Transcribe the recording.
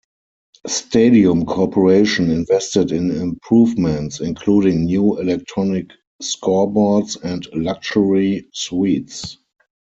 Stadium Corporation invested in improvements, including new electronic scoreboards and luxury suites.